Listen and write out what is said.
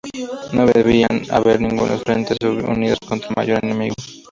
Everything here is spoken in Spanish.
No debían haber ningunos frentes unidos contra un mayor enemigo.